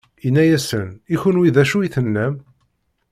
Inna-asen: I kenwi, d acu i tennam?